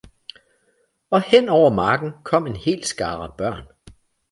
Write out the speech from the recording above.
Og hen over marken kom en hel skare børn.